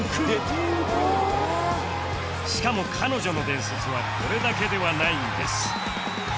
しかも彼女の伝説はこれだけではないんです